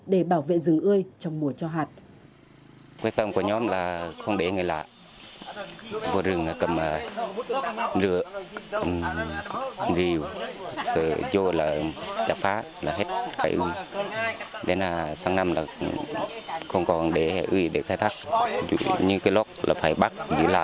để bảo vệ rừng ươi trong mùa cho hạt